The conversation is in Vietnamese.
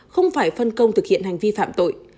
không phải phân công thực hiện hành vi phạm tội